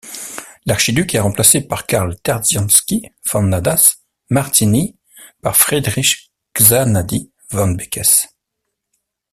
L'archiduc est remplacé par Karl Tersztyánszky von Nádas, Martiny par Friedrich Csanády von Békés.